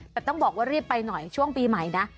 แต่ต้องบอกว่ารีบไปหน่อยช่วงปีใหม่นะ